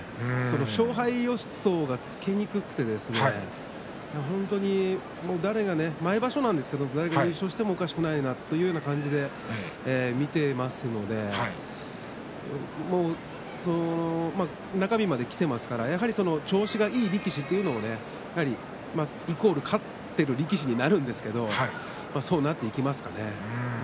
勝敗予想がつけにくくて毎場所なんですけれども誰が優勝してもおかしくないなという感じで見ていますので中日まできていますからやはり調子がいい力士というのはイコール勝っている力士になるんですけれどもやっぱり、そうなってきましたね。